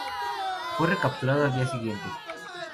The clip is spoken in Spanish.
Fue recapturado al día siguiente.